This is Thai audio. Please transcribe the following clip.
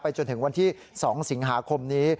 จนถึงวันที่๒สิงหาคมนี้